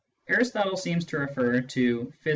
Aristotle seems to refer to Phys.